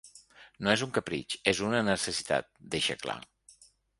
“No és un capritx, és una necessitat”, deixa clar.